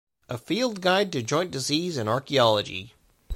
"A Field Guide to Joint Disease in Archaeology".